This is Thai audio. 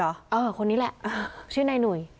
เออคนนี้แหละชื่อนายหนุ่ย